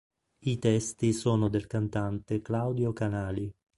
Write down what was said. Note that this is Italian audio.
I testi sono del cantante Claudio Canali.